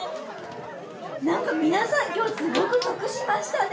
なんか皆さん今日すごく得しましたね。